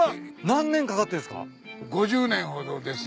何年かかってんすか？